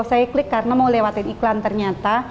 saya klik karena mau lewatin iklan ternyata